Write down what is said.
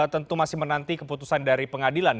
tentu masih menanti keputusan dari pengadilan